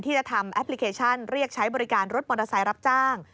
จะทำแอปพลิเคชันเรียกใช้บริการรถมอเตอร์ไซค์รับจ้าง